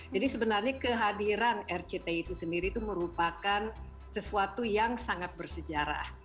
jadi sebenarnya kehadiran rcti itu sendiri itu merupakan sesuatu yang sangat bersejarah